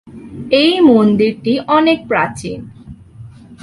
এই মন্দিরটি অনেক প্রাচীন।